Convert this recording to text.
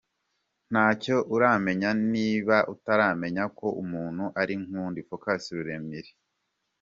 Ntacyo uramenya, niba utaramenya ko umuntu ari nk’undi -Focus Ruremire.